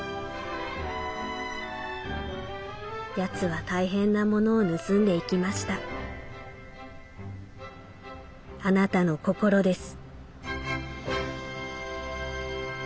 「奴は大変なものを盗んでいきましたあなたの心です」。